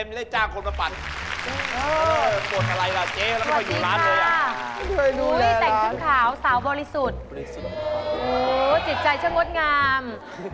โอ้โหจิตใจฉันงดงาม